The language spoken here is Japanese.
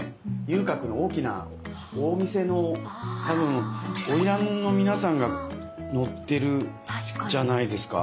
遊郭の大きな大見世の多分おいらんの皆さんが乗ってるんじゃないですか？